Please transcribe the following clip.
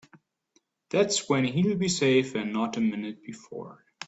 That's when he'll be safe and not a minute before.